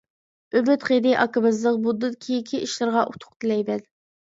ئۈمىد غېنى ئاكىمىزنىڭ بۇندىن كېيىنكى ئىشلىرىغا ئۇتۇق تىلەيمەن!